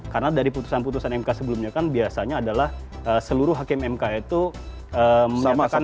karena dari putusan putusan mk sebelumnya kan biasanya adalah seluruh hakim mk itu menyatakan